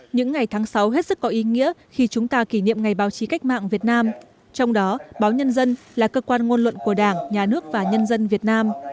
những ngày tháng sáu hết sức có ý nghĩa khi chúng ta kỷ niệm ngày báo chí cách mạng việt nam trong đó báo nhân dân là cơ quan ngôn luận của đảng nhà nước và nhân dân việt nam